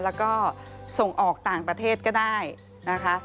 แล้วก็ส่งออกต่างประเทศก็ได้นะคะ